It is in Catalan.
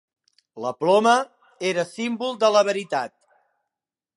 La ploma era símbol de la veritat.